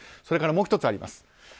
それからもう１つあります。